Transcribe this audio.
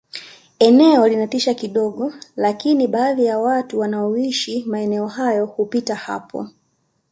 eneo linatisha kidogo lakini baadhi ya watu wanaoishi maeneo hayo hupita hapo